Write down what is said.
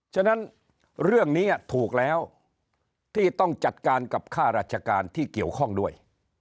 ฉะนั้นเรื่องนี้ถูกแล้วที่ต้องจัดการกับค่าราชการที่เกี่ยวข้องด้วย